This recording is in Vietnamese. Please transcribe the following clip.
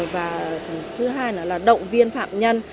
và thứ hai là động viên phạm nhân